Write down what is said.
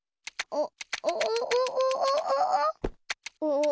あっ！